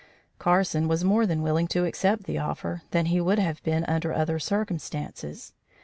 Carson was more willing to accept the offer than he would have been under other circumstances.